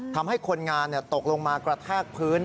ทำให้คนงานตกลงมากระแทกพื้น